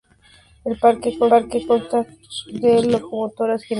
El parque consta de locomotoras General Motors, General Electric y Rail Power.